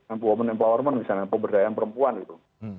empowen empowerment misalnya pemberdayaan perempuan gitu